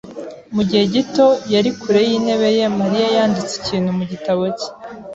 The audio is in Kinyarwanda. Mu gihe gito yari kure yintebe ye, Mariya yanditse ikintu mu gitabo cye.